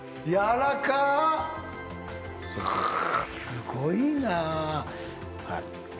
すごいな。